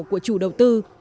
của chủ đầu tư